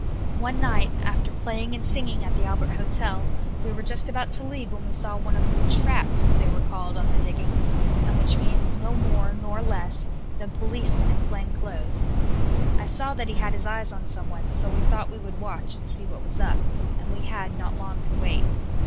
One night after playing and singing at the Albert Hotel, we were just about to leave when we saw one of the "traps" as they were called on the diggings, and which means no more nor less than "policeman in plain clothes." I saw that he had his eyes on someone, so we thought we would watch and see what was up, and we had not long to wait.